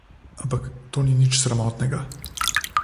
Ampak to ni nič sramotnega.